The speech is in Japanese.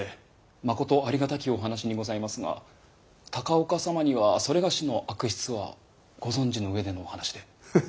まことありがたきお話にございますが高岳様にはそれがしの悪筆はご存じの上でのお話で。